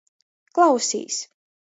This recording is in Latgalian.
Klausīs!